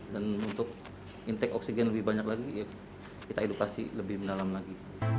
dan untuk intake oksigen lebih banyak lagi ya kita edukasi lebih mendalam lagi